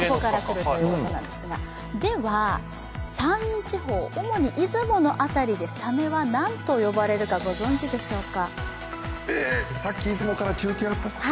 では、山陰地方、主に出雲の地方でサメはなんと呼ばれるかご存じでしょうか？